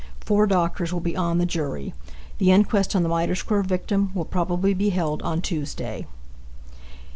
Four doctors will be on the jury. The inquest on the Mitre square victim will probably be held on Tuesday.